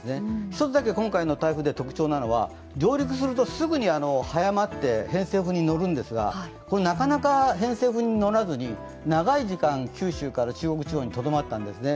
一つだけ今回の台風で、特徴なのは、上陸すると、すぐに速まって偏西風に載るんですがなかなか偏西風に乗らずに長い時間、九州から中国地方にとどまったんですね。